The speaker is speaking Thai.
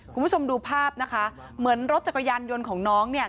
คุณผู้ชมดูภาพนะคะเหมือนรถจักรยานยนต์ของน้องเนี่ย